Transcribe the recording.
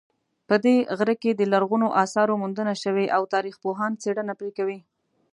په دې غره کې د لرغونو آثارو موندنه شوې او تاریخپوهان څېړنه پرې کوي